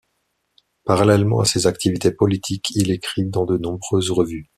Parallèlement à ses activités politiques, il écrit dans de nombreuses revues.